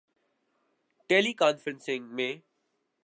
ٹیلی conferencing م